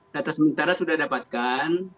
data sementara sudah dapatkan